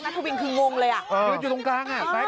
นายบอกว่าประชาที่ปล่อยตายไงลุง